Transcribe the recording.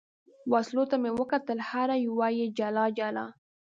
وسلو ته مې کتل، هره یوه یې جلا جلا.